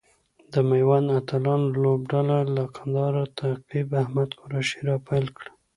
د ميوند اتلان لوبډله له کندهاره نقیب احمد قریشي را پیل کړه.